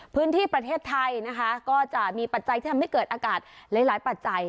พื้นที่ประเทศไทยนะคะก็จะมีปัจจัยที่ทำให้เกิดอากาศหลายปัจจัย